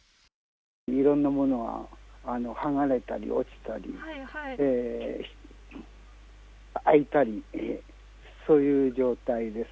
いろんなものが剥がれたり落ちたり、開いたり、そういう状態です。